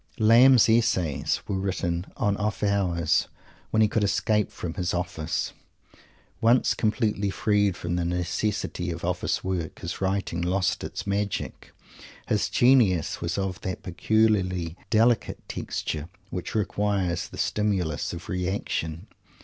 Lamb's "essays" were written at off hours, when he could escape from his office. Once completely freed from the necessity of office work, his writing lost its magic. His genius was of that peculiarly delicate texture which requires the stimulus of reaction.